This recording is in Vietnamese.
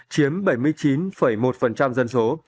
chiếm bảy mươi chín một dân số